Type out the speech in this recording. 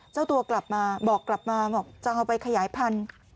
เจ้าตัวกลับมาบอกกลับมาบอกจะเอาไปขยายพันธุ์